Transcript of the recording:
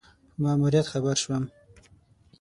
په ماموریت خبر شو.